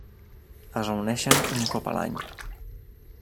Es reuneixen un cop l'any.